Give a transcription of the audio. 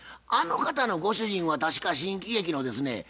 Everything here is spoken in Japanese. あの方のご主人は確か新喜劇のですね